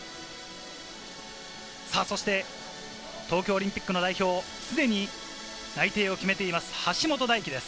そして東京オリンピックの代表、すでに内定を決めています、橋本大輝です。